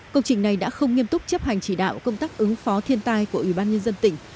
công trình này đã không nghiêm túc chấp hành chỉ đạo công tác ứng phó thiên tai của ủy ban nhân dân tỉnh